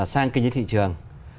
sang kinh doanh thị trường